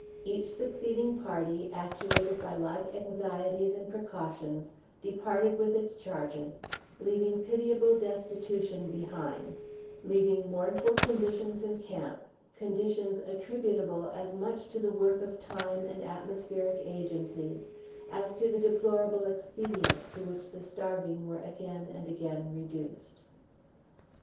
Each succeeding party actuated by like anxieties and precautions, departed with its charges, leaving pitiable destitution behind; leaving mournful conditions in camp, conditions attributable as much to the work of time and atmospheric agencies as to the deplorable expedients to which the starving were again and again reduced.